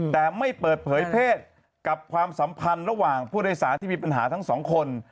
แต่ไม่เปิดเผยเพศกับความสัมพันธ์ระหว่างผู้โดยสารที่มีปัญหาทั้งสองคน